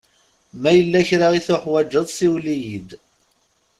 Ma yella kra i tuḥwaǧeḍ siwel-iyi-d.